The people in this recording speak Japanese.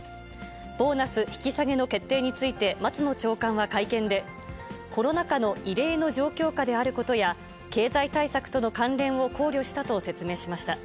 ボーナス引き下げの決定について、松野長官は会見で、コロナ禍の異例の状況下であることや、経済対策との関連を考慮したと説明しました。